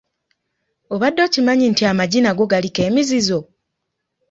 Obadde okimanyi nti amagi n’ago galiko emizizo?